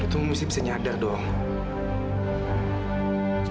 lo tuh mesti bisa nyadar dong